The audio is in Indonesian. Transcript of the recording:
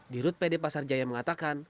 di rut pd pasar jaya mengatakan